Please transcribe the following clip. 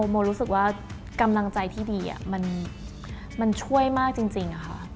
โมรู้สึกว่ากำลังใจที่ดีมันช่วยมากจริงค่ะ